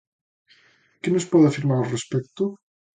Que nos pode afirmar ao respecto?